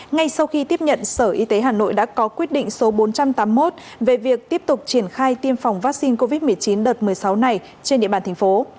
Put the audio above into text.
ngay sau khi tiếp nhận sở y tế hà nội đã có quyết định số bốn trăm tám mươi một về việc tiếp tục triển khai tiêm phòng vaccine covid một mươi chín đợt một mươi sáu này trên địa bàn thành phố